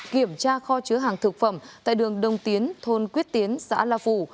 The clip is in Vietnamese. kiểm tra kho chứa hàng thực phẩm tại đường đông tiến thôn quyết tiến xã la phù